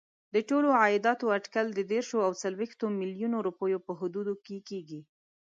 د ټولو عایداتو اټکل د دېرشو او څلوېښتو میلیونو روپیو په حدودو کې کېږي.